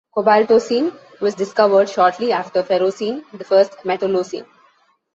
Cobaltocene was discovered shortly after ferrocene, the first metallocene.